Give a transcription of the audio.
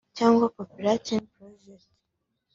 cyangwa “Populatin Project”